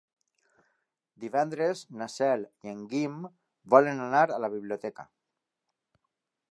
Divendres na Cel i en Guim volen anar a la biblioteca.